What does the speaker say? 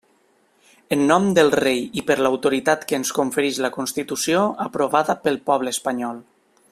En nom del rei i per l'autoritat que ens confereix la Constitució aprovada pel poble espanyol.